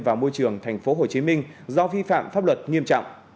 và môi trường tp hcm do vi phạm pháp luật nghiêm trọng